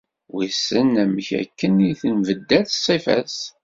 Wissen amek akken tenbeddal ṣṣifa-s.